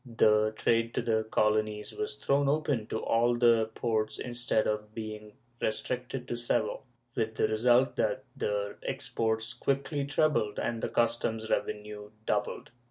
The trade to the colonies was thrown open to all the ports instead of being restricted to Seville, with the result that the exports quickly trebled and the customs revenue doubled.